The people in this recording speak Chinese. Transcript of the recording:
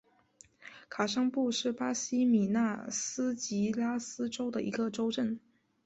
卡尚布是巴西米纳斯吉拉斯州的一个市镇。